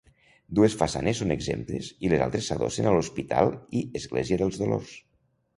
Dues façanes són exemptes i les altres s'adossen a l'hospital i església dels Dolors.